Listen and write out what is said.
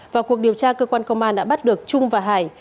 vào cuộc điều tra cơ quan công an đã bắt được trung và hải